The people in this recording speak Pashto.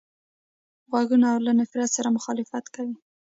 غوږونه له نفرت سره مخالفت کوي